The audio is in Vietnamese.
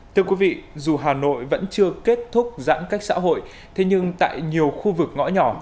thưa quý vị dù hà nội vẫn chưa kết thúc giãn cách xã hội thế nhưng tại nhiều khu vực ngõ nhỏ